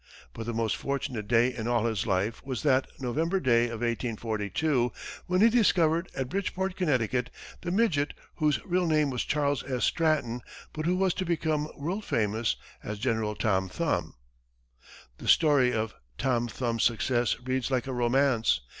But the most fortunate day in all his life was that November day of 1842, when he discovered at Bridgeport, Connecticut, the midget whose real name was Charles S. Stratton, but who was to become world famous as General Tom Thumb. The story of Tom Thumb's success reads like a romance.